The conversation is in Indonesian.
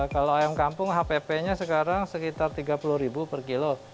kalau ayam kampung hpp nya sekarang sekitar rp tiga puluh per kilo